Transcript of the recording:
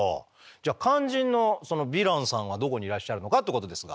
じゃあ肝心のそのヴィランさんはどこにいらっしゃるのかってことですが。